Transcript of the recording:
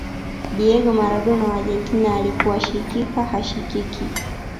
diego maradona wa argentina alikuwashikika hashikiki